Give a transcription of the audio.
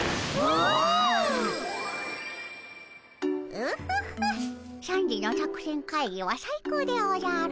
オホホッ３時の作戦会議は最高でおじゃる。